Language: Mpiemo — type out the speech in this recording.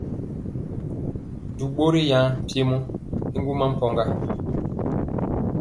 Dubɔ ri ajeŋ mpiemɔ y ŋgɔma mpɔga.